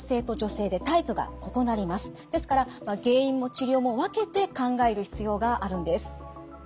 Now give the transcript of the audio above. ですから原因も治療も分けて考える必要があるんです。